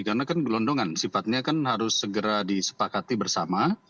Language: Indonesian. karena kan gelondongan sifatnya kan harus segera disepakati bersama